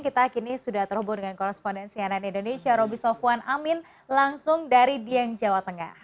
kita kini sudah terhubung dengan korespondensi anan indonesia roby sofwan amin langsung dari dieng jawa tengah